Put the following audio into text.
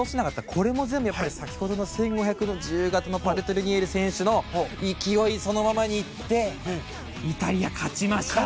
これも全部先ほどの１５００ｍの自由形のパルトリニエリ選手の勢いそのままに行ってイタリア、勝ちました。